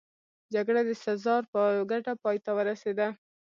جګړه د سزار په ګټه پای ته ورسېده.